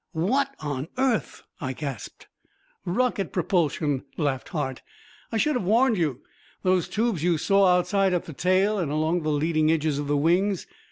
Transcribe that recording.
"What on earth?" I gasped. "Rocket propulsion," laughed Hart. "I should have warned you. Those tubes you saw outside at the tail and along the leading edge of the wings.